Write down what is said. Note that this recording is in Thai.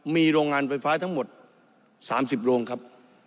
มีโรงงานไฟฟ้าทั้งหมด๓๐โรงครับ